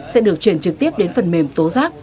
sẽ được chuyển trực tiếp đến phần mềm tố giác